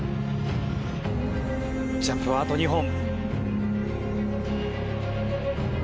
ジャンプはあと２本。